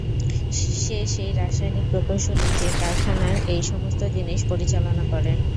সে সেই রাসায়নিক প্রকৌশলী যে কারখানার এই সমস্ত জিনিস পরিচালনা করে।